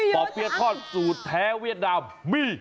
ป่อเปี๊ยะทอดสูตรแท้เวียดนามมี